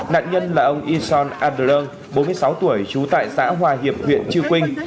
nạn nhân là ông yison adler bốn mươi sáu tuổi trú tại xã hòa hiệp huyện chiêu quynh